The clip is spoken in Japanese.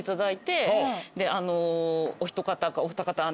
お一方かお二方